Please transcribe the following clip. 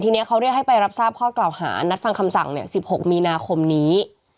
ทีนี้เขาเรียกให้ไปรับทราบข้อกล่าวหานัดฟังคำสั่ง๑๖มีนาคมนี้